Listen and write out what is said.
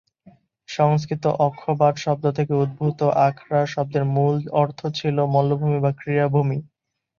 সংস্কৃত ‘অক্ষবাট’ শব্দ থেকে উদ্ভূত আখড়া শব্দের মূল অর্থ ছিল মল্লভূমি বা ক্রীড়াভূমি।